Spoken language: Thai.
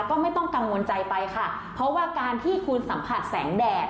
ก็ไม่ต้องกังวลใจไปค่ะเพราะว่าการที่คุณสัมผัสแสงแดด